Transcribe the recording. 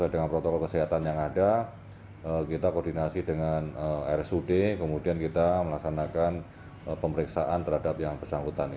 dengan protokol kesehatan yang ada kita koordinasi dengan rsud kemudian kita melaksanakan pemeriksaan terhadap yang bersangkutan